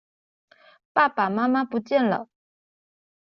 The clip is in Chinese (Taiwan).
爸爸媽媽不見了